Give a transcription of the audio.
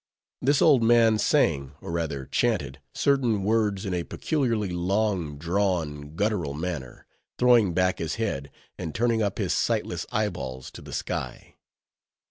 This old man sang, or rather chanted, certain words in a peculiarly long drawn, guttural manner, throwing back his head, and turning up his sightless eyeballs to the sky.